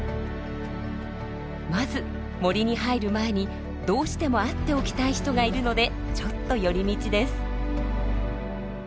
まず森に入る前にどうしても会っておきたい人がいるのでちょっと寄り道です。